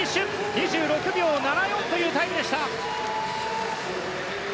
２６秒７４というタイムでした。